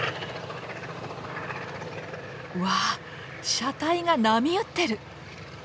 わあ車体が波打ってる！